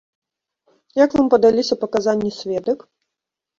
Як вам падаліся паказанні сведак?